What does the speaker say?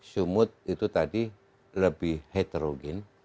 sumut itu tadi lebih heterogen